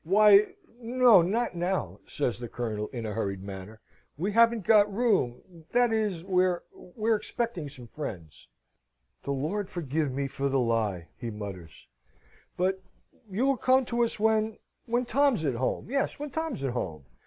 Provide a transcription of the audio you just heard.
"Why no not now," says the Colonel, in a hurried manner. "We haven't got room that is, we're we're expecting some friends." ["The Lord forgive me for the lie!" he mutters.] "But but you'll come to us when when Tom's at home yes, when Tom's at home.